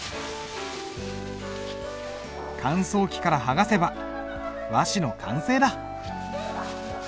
乾燥機から剥がせば和紙の完成だ。